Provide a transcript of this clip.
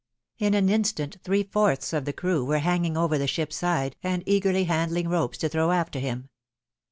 In an instant, three fourths of the crew were hanging over 60 THE WIDOW MAREIED. the ship's side, and eagerly handling ropes to throw after him.